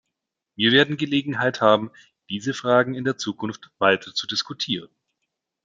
Wir werden Gelegenheit haben, diese Fragen in der Zukunft weiter zu diskutieren.